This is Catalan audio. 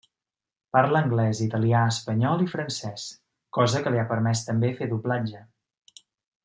Parla anglès, italià, espanyol i francès, cosa que li ha permès també fer doblatge.